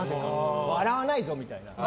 笑わないぞみたいな。